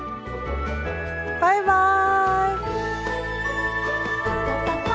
バイバーイ！